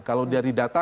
kalau dari data